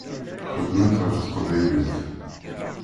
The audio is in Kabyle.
Xeddment ɣef teqbaylit.